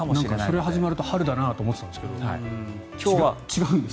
それ始まると春だなと思ってたんですが違うんですね。